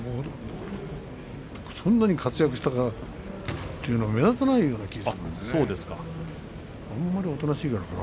そんなに活躍したかというのは目立たないような感じがするんだよな。